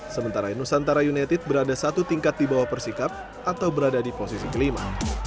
sementara nusantara united berada satu tingkat di bawah persikap atau berada di posisi kelima